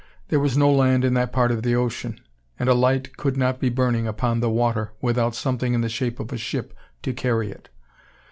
There was no land in that part of the ocean; and a light could not be burning upon the water, without something in the shape of a ship to carry it.